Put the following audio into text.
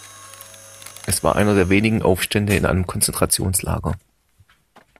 Es war einer der wenigen Aufstände in einem Konzentrationslager.